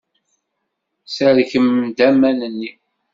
Serkem-d aman-nni.